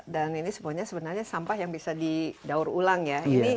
dan ini sebenarnya sampah yang bisa didaur ulang ya